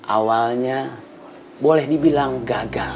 awalnya boleh dibilang gagal